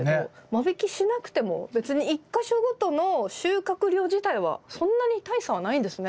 間引きしなくても別に１か所ごとの収穫量自体はそんなに大差はないんですね。